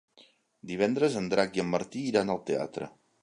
Divendres en Drac i en Martí iran al teatre.